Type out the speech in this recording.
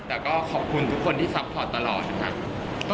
แต่ก็ขอบคุณทุกคนที่ซัพพอร์ตตลอดนะคะ